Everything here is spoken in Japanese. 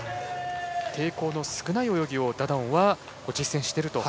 抵抗の少ない泳ぎをダダオンは実践していると。